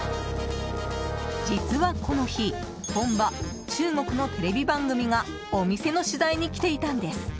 実はこの日本場・中国のテレビ番組がお店の取材に来ていたんです。